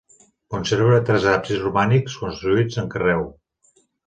Conserva tres absis romànics construïts en carreu.